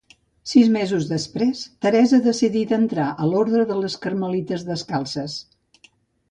Sis mesos després, Teresa decidí d'entrar a l'Orde de les Carmelites Descalces.